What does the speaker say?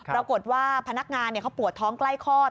ปรากฏว่าพนักงานเขาปวดท้องใกล้คอด